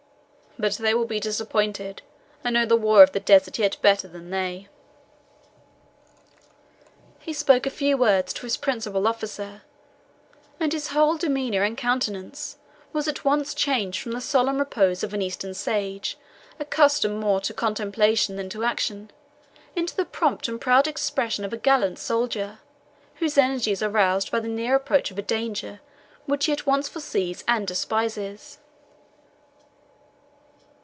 But they will be disappointed. I know the war of the desert yet better than they." He spoke a few words to his principal officer, and his whole demeanour and countenance was at once changed from the solemn repose of an Eastern sage accustomed more to contemplation than to action, into the prompt and proud expression of a gallant soldier whose energies are roused by the near approach of a danger which he at once foresees and despises.